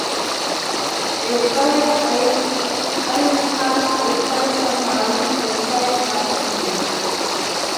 They started ironclads, they started submarines, they started navigables.